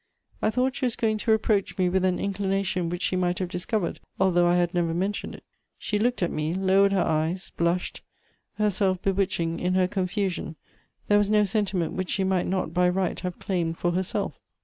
I thought she was going to reproach me with an inclination which she might have discovered, although I had never mentioned it. She looked at me, lowered her eyes, blushed; herself bewitching in her confusion, there was no sentiment which she might not by right have claimed for herself.